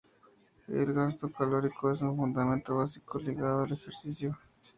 El gasto calórico es un fundamento básico ligado al ejercicio.